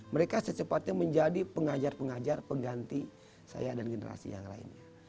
mereka secepatnya menjadi pengajar pengajar pengganti saya dan generasi yang lainnya